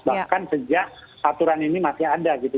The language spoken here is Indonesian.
bahkan sejak aturan ini masih ada gitu